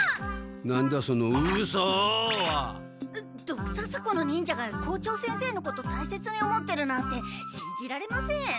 ドクササコの忍者が校長先生のことたいせつに思ってるなんてしんじられません。